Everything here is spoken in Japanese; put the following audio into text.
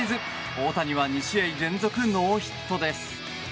大谷は２試合連続ノーヒットです。